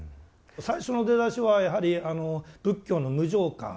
最初の出だしはやはり仏教の無常観